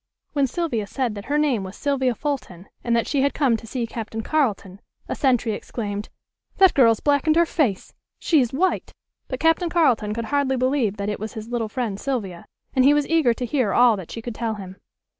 When Sylvia said that her name was Sylvia Fulton, and that she had come to see Captain Carleton, a sentry exclaimed: "That girl has blacked her face. She is white." But Captain Carleton could hardly believe that it was his little friend Sylvia. And he was eager to hear all that she could tell him.